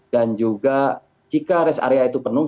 dan juga jika rest area itu penuh